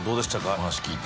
お話聞いて。